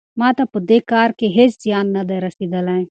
ما ته په دې کار کې هیڅ زیان نه دی رسیدلی.